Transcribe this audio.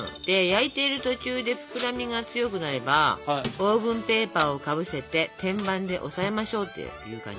焼いている途中で膨らみが強くなればオーブンペーパーをかぶせて天板で押さえましょうっていう感じです。